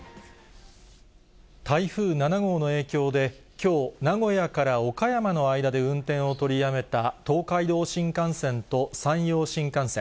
台風７号の影響で、きょう、名古屋から岡山の間で運転を取りやめた、東海道新幹線と山陽新幹線。